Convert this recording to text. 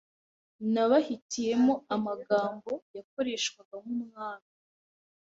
nabahitiyemo amagambo yakoreshwaga ku Mwami